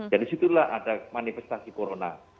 jadi disitulah ada manifestasi corona